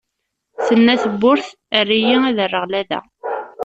Tenna tebburt : err-iyi, ad rreɣ lada!